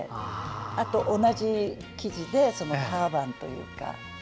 あと同じ生地でターバンというか。